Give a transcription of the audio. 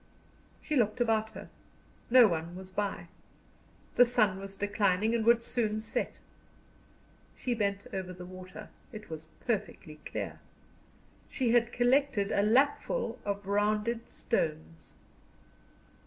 She looked about her. No one was by. The sun was declining, and would soon set. She bent over the water it was perfectly clear. She had collected a lapful of rounded stones.